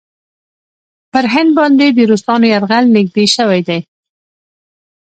پر هند باندې د روسانو یرغل نېږدې شوی دی.